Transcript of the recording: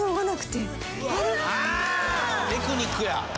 テクニックや。